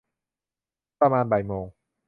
ประมาณบ่ายโมง